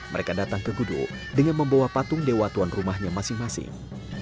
mereka datang ke gudo dengan membawa patung dewa tuan rumahnya masing masing